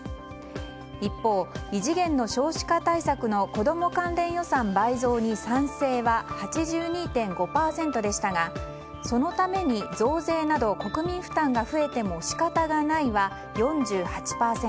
一方、異次元の少子化対策の子供関連予算倍増に賛成は８２．５％でしたがそのために増税など国民負担が増えても仕方がないは４８％。